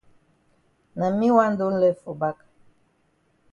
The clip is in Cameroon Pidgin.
Na me wan do lef for back.